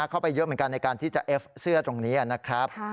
เข้าไปเยอะเหมือนกันในการที่จะเอฟเสื้อตรงนี้นะครับ